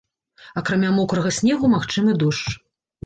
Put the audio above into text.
Акрамя мокрага снегу магчымы дождж.